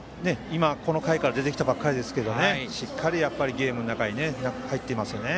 今、この回から出てきたばかりですけどしっかりゲームの中に入っていますね。